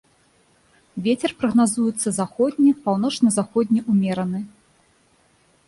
Вецер прагназуецца заходні, паўночна-заходні ўмераны.